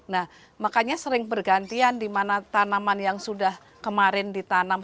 nah makanya sering bergantian di mana tanaman yang sudah kemarin ditanam